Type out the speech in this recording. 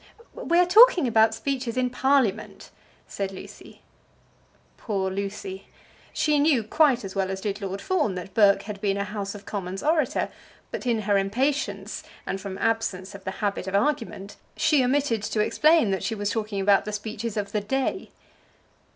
"We are talking about speeches in Parliament," said Lucy. Poor Lucy! She knew quite as well as did Lord Fawn that Burke had been a House of Commons orator; but in her impatience, and from absence of the habit of argument, she omitted to explain that she was talking about the speeches of the day.